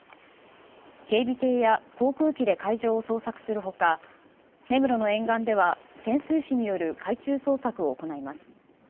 警備艇や航空機で海上を捜索するほか、根室の沿岸では潜水士による海中捜索を行います。